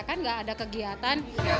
kan gak ada kegiatan